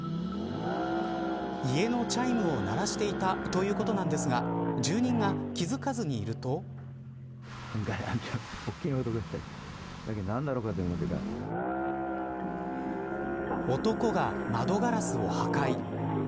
家のチャイムを鳴らしていたということなんですが住人が気付かずにいると男が窓ガラスを破壊。